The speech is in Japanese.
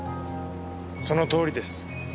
そのとおりです。